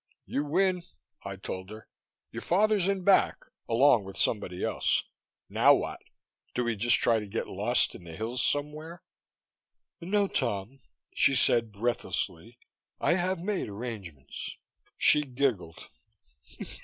"You win," I told her. "Your father's in back along with somebody else. Now what? Do we just try to get lost in the hills somewhere?" "No, Tom," she said breathlessly. "I I have made arrangements." She giggled.